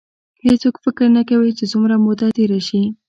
هېڅوک فکر نه کوي چې څومره موده تېره شي.